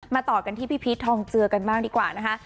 ต่อกันที่พี่พีชทองเจือกันบ้างดีกว่านะคะ